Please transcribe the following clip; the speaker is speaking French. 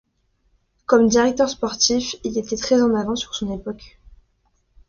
Comme directeur sportif, il était très en avance sur son époque.